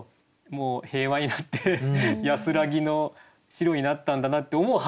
もう平和になって安らぎの城になったんだなって思う